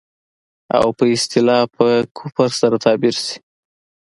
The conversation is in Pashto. او په اصطلاح په کفر سره تعبير شي.